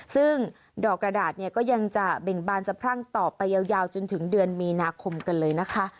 ซึ่งดอกกระดาษเนี่ยก็ยังจะเบ่งบานสะพรั่งต่อไปยาวจนถึงเดือนมีนาคมกันเลยนะคะ